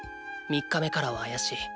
３日目からは怪しい。